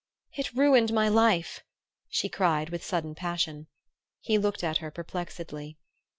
"It ruined my life!" she cried with sudden passion. He looked at her perplexedly.